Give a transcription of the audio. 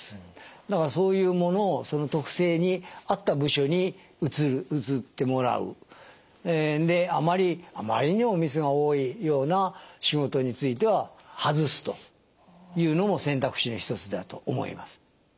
だからそういうものをその特性に合った部署に移ってもらうあまりにもミスが多いような仕事についてははずすというのも選択肢の一つだと思います。